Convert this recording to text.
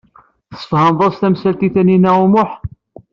Tesfehmed-as tamsalt i Tinhinan u Muḥ.